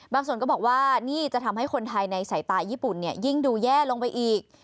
ก็บอกว่านี่จะทำให้คนไทยในสายตาญี่ปุ่นยิ่งดูแย่ลงไปอีก